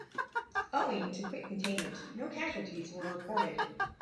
Owing to quick containment, no casualties were reported.